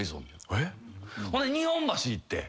ほんで日本橋行って。